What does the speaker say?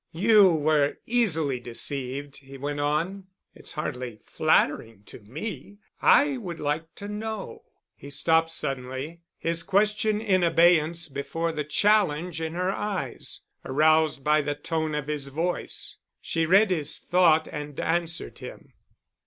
"You were easily deceived," he went on. "It's hardly flattering to me. I would like to know——" He stopped suddenly, his question in abeyance before the challenge in her eyes, aroused by the tone of his voice. She read his thought and answered him.